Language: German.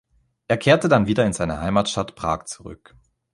Er kehrte dann wieder in seine Heimatstadt Prag zurück.